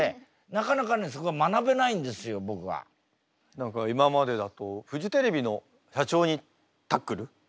何か今までだとフジテレビの社長にタックル？